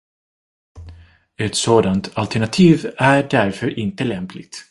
Ett sådant alternativ är därför inte lämpligt.